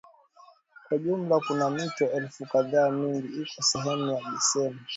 Kwa jumla kuna mito elfu kadhaa Mingi iko sehemu ya beseni